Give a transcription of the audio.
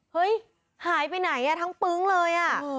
เฮ้ยหายไปไหนทั้งปึ๊งเลยอ่ะ